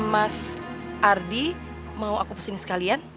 mas ardi mau aku kesini sekalian